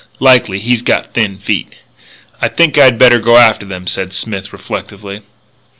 "Likely. He's got thin feet." "I think I'd better go after them," said Smith, reflectively.